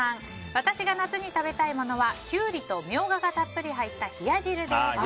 私が夏に食べたいものはキュウリとミョウガがたっぷり入った冷や汁です。